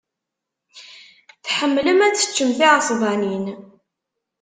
Tḥemmlem ad teččem tiɛesbanin.